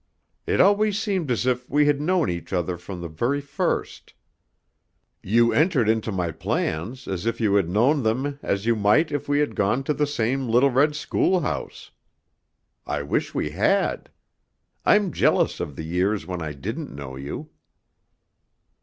It always seemed as if we had known each other from the very first. You entered into my plans as if you had known them as you might if we had gone to the same little red schoolhouse. I wish we had! I'm jealous of the years when I didn't know you."